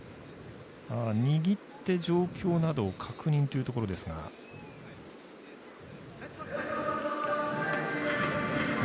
握って状況などを確認というところでしょうか。